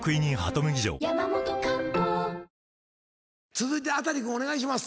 続いて中君お願いします。